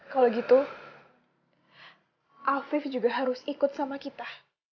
kalau gitu afif juga harus ikut sama kita